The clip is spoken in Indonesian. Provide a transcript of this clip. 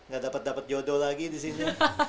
gak dapet dapet jodoh lagi disini